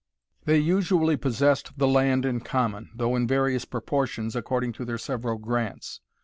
They usually possessed the land in common, though in various proportions, according to their several grants.